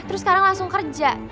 terus sekarang langsung kerja